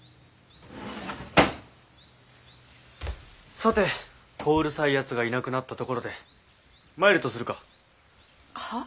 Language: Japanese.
さて小うるさいやつがいなくなったところで参るとするか。は？